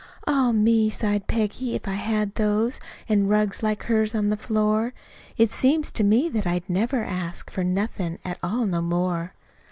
"Ah, me!" sighed Peggy. "If I had those An' rugs like hers on the floor, It seems to me that I'd never ask For nothin' at all no more."